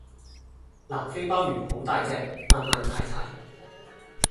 南非鮑魚好大隻但硬柴柴